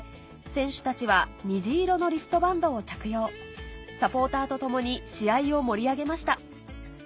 選手たちは虹色のリストバンドを着用サポーターと共に試合を盛り上げました